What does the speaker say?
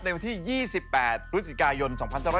ในวันที่๒๘พฤศจิกายน